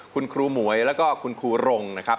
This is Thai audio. คุณครูหมวยแล้วก็คุณครูรงนะครับ